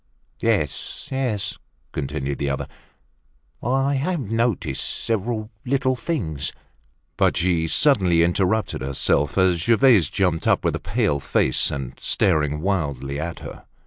"Yes, yes," continued the other, "I have noticed several little things—" But she suddenly interrupted herself, as Gervaise jumped up, with a pale face, and staring wildly at her.